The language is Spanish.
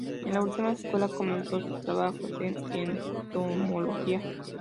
En la última escuela comenzó sus trabajos en entomología.